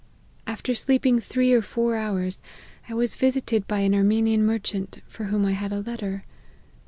After sleeping three or four hours, I was visited by an Armenian mer chant, for whom I had a letter.